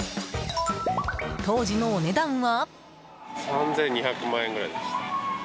当時のお値段は？